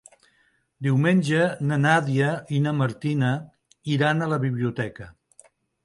Diumenge na Nàdia i na Martina iran a la biblioteca.